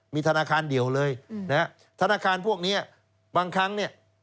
มีธนาคารเดียวเลยนะครับธนาคารพวกนี้บางครั้ง